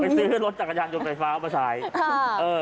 ซื้อรถจักรยานยนต์ไฟฟ้ามาใช้